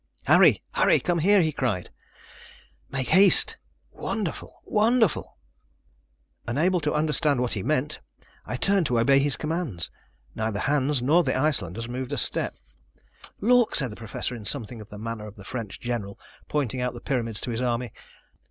"Harry! Harry! come here!" he cried; "make haste wonderful wonderful!" Unable to understand what he meant, I turned to obey his commands. Neither Hans nor the other Icelanders moved a step. "Look!" said the Professor, in something of the manner of the French general, pointing out the pyramids to his army.